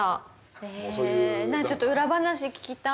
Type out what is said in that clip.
ええちょっと裏話聞きたい。